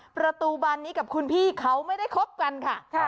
ประตูบันนี้กับคุณพี่เขาไม่ได้คบกันค่ะ